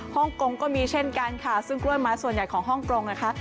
ฮ่องกงก็มีเช่นกันค่ะซึ่งกล้วยไม้ส่วนใหญ่ของฮ่องกงนะคะ